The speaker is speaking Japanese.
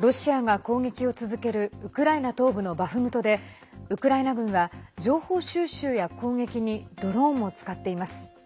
ロシアが攻撃を続けるウクライナ東部のバフムトでウクライナ軍は情報収集や攻撃にドローンも使っています。